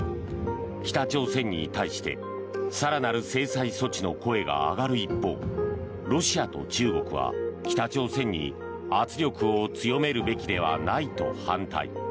北朝鮮に対して更なる制裁措置の声が上がる一方ロシアと中国は北朝鮮に圧力を強めるべきではないと反対。